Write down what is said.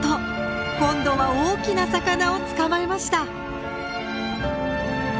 今度は大きな魚を捕まえました。